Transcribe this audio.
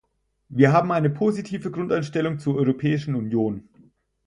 Wir haben eine positive Grundeinstellung zur Europäischen Union.